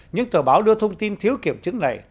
những tờ báo đưa thông tin thiếu kiểm chứng này